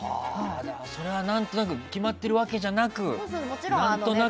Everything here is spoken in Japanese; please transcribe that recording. それは何となく決まっているわけじゃなく。